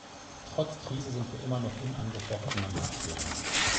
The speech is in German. Trotz Krise sind wir immer noch unangefochtener Marktführer.